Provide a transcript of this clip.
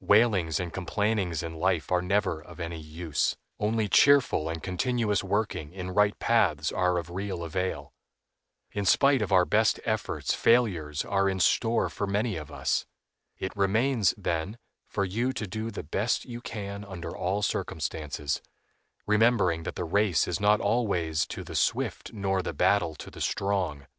Wailings and complainings in life are never of any use; only cheerful and continuous working in right paths are of real avail. In spite of our best efforts failures are in store for many of us. It remains, then, for you to do the best you can under all circumstances, remembering that the race is not always to the swift nor the battle to the strong.